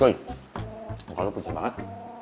tuy engkau puji banget